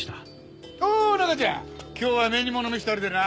おおっ中ちゃん今日は目にもの見せたるでな。